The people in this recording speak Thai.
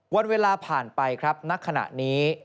วันเวลาผ่านไปครับณขณะนี้